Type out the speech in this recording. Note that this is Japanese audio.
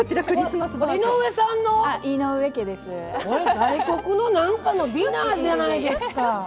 外国の何かのディナーじゃないですか。